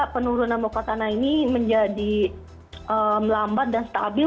turunan permukaan tanah ini menjadi melambat dan stabil